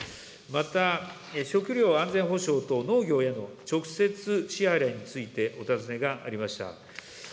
また食料安全保障と農業への直接支払いについてお尋ねがありました。